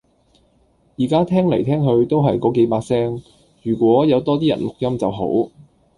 而家聽嚟聽去都係嗰幾把聲，如果有多啲人錄音就好